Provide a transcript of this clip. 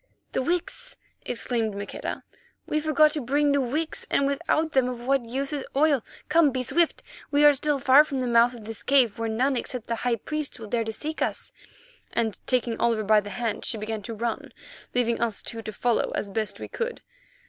"The wicks!" exclaimed Maqueda, "we forgot to bring new wicks, and without them of what use is oil? Come, be swift; we are still far from the mouth of this cave, where none except the high priests will dare to seek us," and, taking Oliver by the hand, she began to run, leaving us two to follow as best we could.